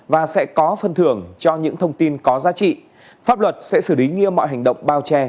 và sẽ có phân thưởng cho những thông tin có giá trị pháp luật sẽ xử lý nghiêm mọi hành động bao che